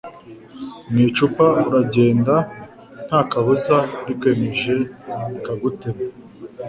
Mu icupa uragenda nta kabuza rikwemeje rikagutema